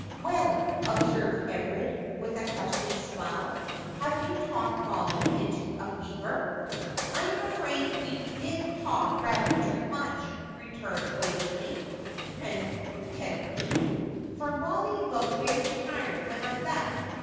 "Well," observed Everard, with a questioning smile, "have you talked Mollie into a fever?" "I am afraid we did talk rather too much," returned Waveney, penitently, "for Mollie looked very tired when I left.